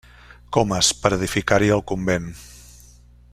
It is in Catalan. Comes, per edificar-hi el convent.